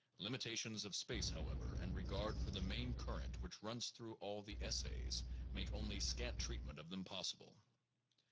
Limitations of space, however, and regard for the main current which runs through all the essays, make only scant treatment of them possible.